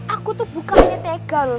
aku tuh bukannya tega loh